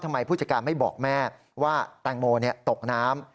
ผู้จัดการไม่บอกแม่ว่าแตงโมตกน้ำ